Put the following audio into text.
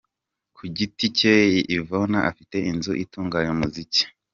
Ku giti cye, Yvonne afite inzu itunganya muzika.